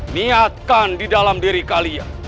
niatkan di dalam diri kalian